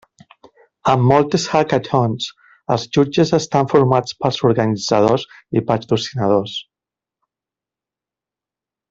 En moltes hackatons, els jutges estan formats pels organitzadors i patrocinadors.